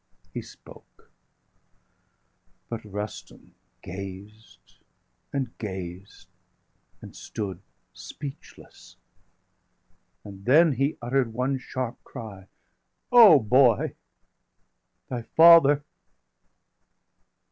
He spoke; but Rustum gazed, and gazed, and stood Speechless; and then he utter'd one sharp cry: 690 O boy _thy father!